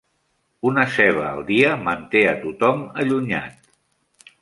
Una ceba al dia manté a tothom allunyat.